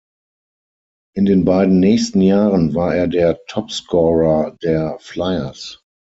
In den beiden nächsten Jahren war er der Topscorer der Flyers.